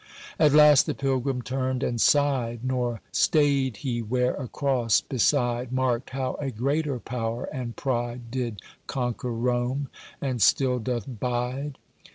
At last the Pilgrim turned and sighed, Nor stayed he where a cross beside Marked how a greater power and pride Did conquer Rome, and still doth bide.